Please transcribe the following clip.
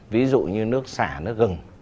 ví dụ như nước xả nước gừng